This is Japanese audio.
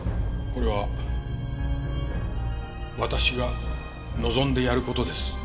これは私が望んでやる事です。